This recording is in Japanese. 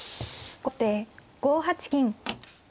後手５八金。